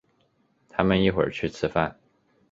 他们一会儿去吃饭。